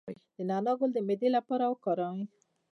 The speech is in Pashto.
د نعناع ګل د معدې لپاره وکاروئ